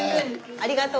ありがとう！